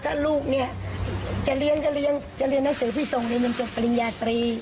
ฉันก็เหงาฉันจะเลี้ยงลูกเธอเองอาจารย์ยัง